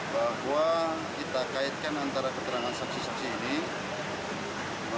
bahwa kita kaitkan antara keterangan saksi saksi ini